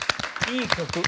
いい曲。